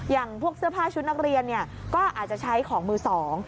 อย่างพวกเสื้อผ้าชุดนักเรียนเนี่ยก็อาจจะใช้ของมือสอง